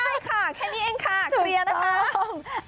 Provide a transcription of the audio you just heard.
ง่ายค่ะแค่นี้เองค่ะกรีย์เลยกันค่ะ